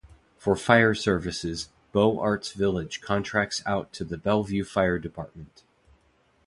For fire services, Beaux Arts Village contracts out to the Bellevue Fire Department.